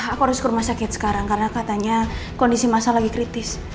aku harus ke rumah sakit sekarang karena katanya kondisi masa lagi kritis